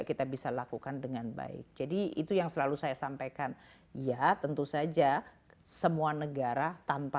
kita bisa lakukan dengan baik jadi itu yang selalu saya sampaikan ya tentu saja semua negara tanpa